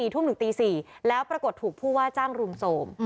ทุ่มถึงตี๔แล้วปรากฏถูกผู้ว่าจ้างรุมโทรม